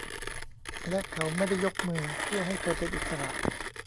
และเขาไม่ได้ยกมือเพื่อให้เธอเป็นอิสระ